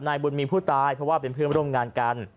บุญมีผู้ตายเพราะว่าเป็นเพื่อนร่วมงานกัน